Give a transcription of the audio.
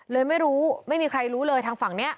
ไม่รู้ไม่มีใครรู้เลยทางฝั่งนี้